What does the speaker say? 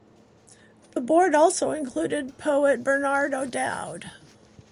The board also included poet Bernard O'Dowd.